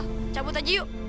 eh bel cabut aja yuk